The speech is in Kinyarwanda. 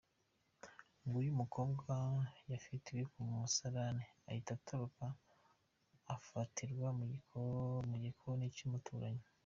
Ngo uyu mukobwa yafatiwe mu musarani ahita atoroka afatirwa mu gikoni cy’umuturanyi.